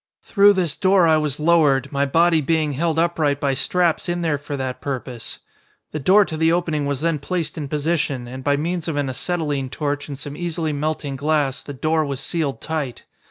Through this door I was lowered, my body being held upright by straps in there for that purpose. The door to the opening was then placed in position, and by means of an acetylene torch and some easily melting glass, the door was sealed tight.